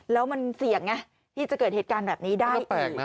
แล้วมันเสี่ยงไงที่จะเกิดเหตุการณ์แบบนี้ได้